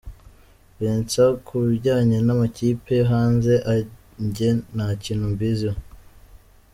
Vincent : Ku bijyanye n’amakipe yo hanze jye nta kintu mbiziho.